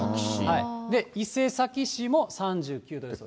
伊勢崎市も３９度です。